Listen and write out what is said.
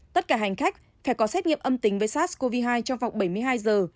tất cả hành khách phải có xét nghiệm âm tính với sars cov hai trong vòng bảy mươi hai giờ